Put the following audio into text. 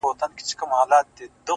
ستا د ښکلا په تصور کي یې تصویر ویده دی;